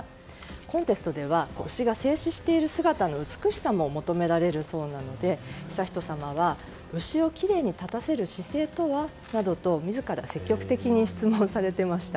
コンテストでは牛が静止している姿の美しさも求められるそうなので悠仁さまは牛をきれいに立たせる姿勢とは？などと自ら積極的に質問されていました。